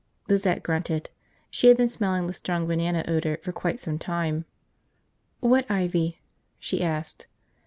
Lizette grunted. She had been smelling the strong banana odor for quite some time. "What ivy?" she asked.